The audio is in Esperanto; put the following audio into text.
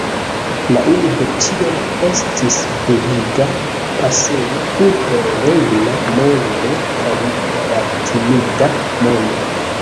La urbo ĉiam estis deviga pasejo inter rejna mondo kaj latinida mondo.